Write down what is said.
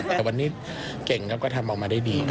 แต่วันนี้เก่งครับก็ทำออกมาได้ดี